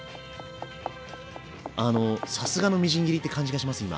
あのさすがのみじん切りって感じがします今。